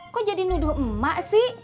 kok jadi nuduh emak sih